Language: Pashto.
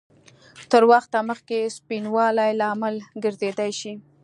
تر وخته مخکې سپینوالي لامل ګرځېدای شي؟